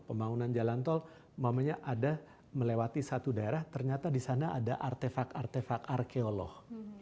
pembangunan jalan tol mamanya ada melewati satu daerah ternyata di sana ada artefak artefak arkeolog